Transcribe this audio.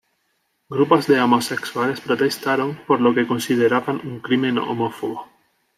Grupos de homosexuales protestaron por lo que consideraban un crimen homófobo.